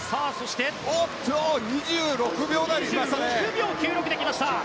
２６秒９６で来ました。